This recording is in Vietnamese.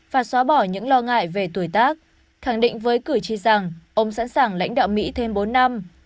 và xóa bỏ những lo ngại về tuổi tác khẳng định với cử tri rằng ông sẵn sàng lãnh đạo mỹ thêm bốn năm